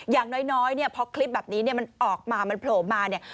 อย่างน้อยเพราะคลิปแบบนี้มันออกมามันโผล่มา